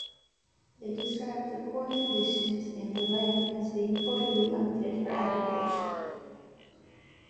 They described the poor conditions and the land as being totally unfit for agriculture.